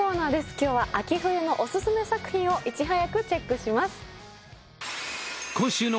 今日は秋冬のオススメ作品をいち早くチェックします